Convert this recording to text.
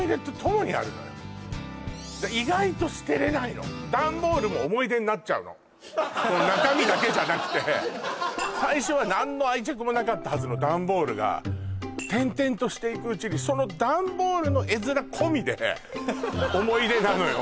意外と捨てれないのもう中身だけじゃなくて最初は何の愛着もなかったはずのダンボールが転々としていくうちにそのダンボールの絵面込みで思い出なのよ